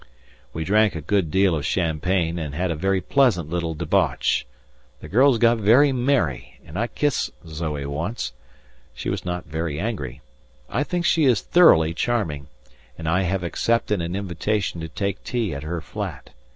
We drank a good deal of champagne and had a very pleasant little debauch; the girls got very merry, and I kissed Zoe once. She was not very angry. I think she is thoroughly charming, and I have accepted an invitation to take tea at her flat.